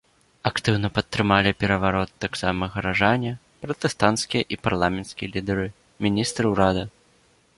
Актыўна падтрымалі пераварот таксама гараджане, пратэстанцкія і парламенцкія лідары, міністры ўрада.